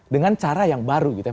dengan cara yang baru gitu ya